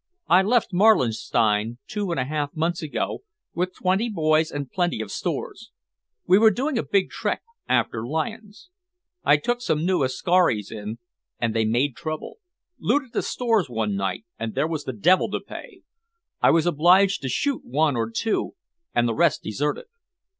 "I left Marlinstein two and a half months ago, with twenty boys and plenty of stores. We were doing a big trek after lions. I took some new Askaris in and they made trouble, looted the stores one night and there was the devil to pay. I was obliged to shoot one or two, and the rest deserted.